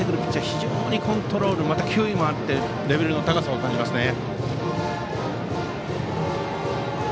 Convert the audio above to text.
非常にコントロールまた球威もあってレベルの高さを感じますね。